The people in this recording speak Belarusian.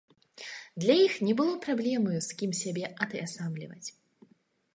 Для іх не было праблемаю, з кім сябе атаясамліваць.